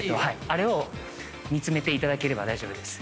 あれを見つめていただければ大丈夫です。